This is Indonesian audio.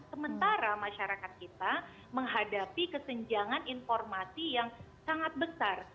sementara masyarakat kita menghadapi kesenjangan informasi yang sangat besar